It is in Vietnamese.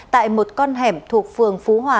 tại một con hẻm thuộc phường phú hòa